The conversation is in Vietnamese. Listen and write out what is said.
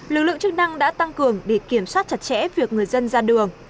lực lượng chức năng đã tăng cường để kiểm soát chặt chẽ việc người dân ra đường